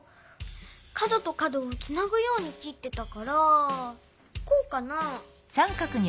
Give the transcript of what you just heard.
かどとかどをつなぐようにきってたからこうかな？